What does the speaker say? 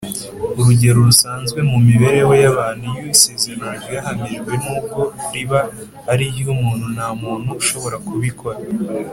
Urugero rusanzwe mu mibereho y abantu iyo isezerano ryahamijwe nubwo riba ari iry umuntu nta muntu ushobora kubikora